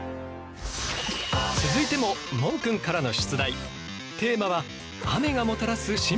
続いても問くんからの出題。